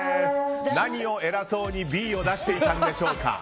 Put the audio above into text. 何を偉そうにＢを出していたんでしょうか。